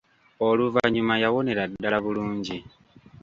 Oluvanyuma yawonera ddala bulungi.